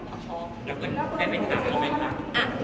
แต่ไม่ทักก็ไม่ทัก